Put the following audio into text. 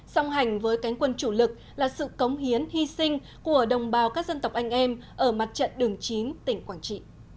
song hành với cánh quân chủ lực là sự cống hiến hy sinh của đồng bào các dân tộc anh em ở mặt trận đường chín tỉnh quảng trị